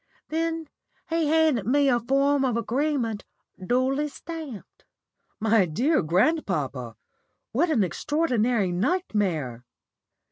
Then he handed me a form of agreement duly stamped." "My dear grandpapa, what an extraordinary nightmare!"